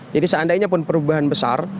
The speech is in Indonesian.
jadi seandainya pun perubahan besar